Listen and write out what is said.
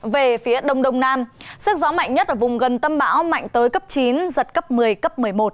về phía đông đông nam sức gió mạnh nhất ở vùng gần tâm bão mạnh tới cấp chín giật cấp một mươi cấp một mươi một